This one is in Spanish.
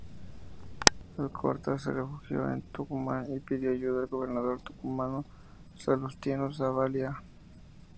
Alcorta se refugió en Tucumán y pidió ayuda al gobernador tucumano Salustiano Zavalía.